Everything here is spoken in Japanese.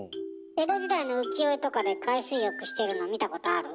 江戸時代の浮世絵とかで海水浴してるの見たことある？